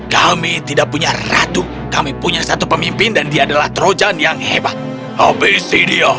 kami tidak punya ratu kami punya satu pemimpin dan dia adalah trojan yang hebat of studio